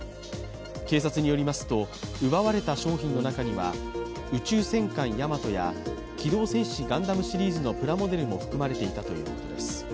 警察によりますと、奪われた商品の中には「宇宙戦艦ヤマト」や「機動戦士ガンダム」シリーズのプラモデルも含まれていたということです。